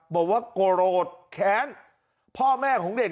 บอกว่าโกรธแค้นพ่อแม่ของเด็ก